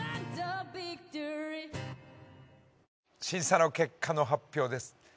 審査の結果の発表です。